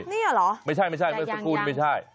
นี่เหรอยังยังไม่ใช่ไม่ใช่สกุลไม่ใช่